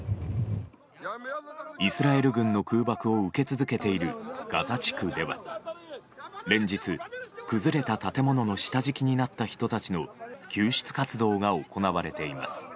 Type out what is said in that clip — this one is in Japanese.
イスラエル軍の空爆を受け続けているガザ地区では連日、崩れた建物の下敷きになった人たちの救出活動が行われています。